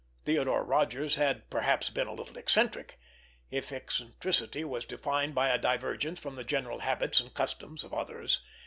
Theodore Rodgers had perhaps been a little eccentric—if eccentricity was defined by a divergence from the general habits and customs of others!